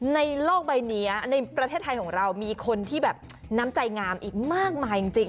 ในโลกใบนี้ในประเทศไทยของเรามีคนที่แบบน้ำใจงามอีกมากมายจริง